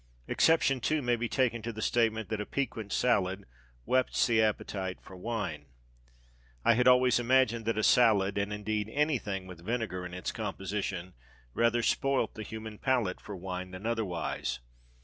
Exception, too, may be taken to the statement that a "piquant salad" whets the appetite for wine. I had always imagined that a salad and, indeed, anything with vinegar in its composition rather spoilt the human palate for wine than otherwise.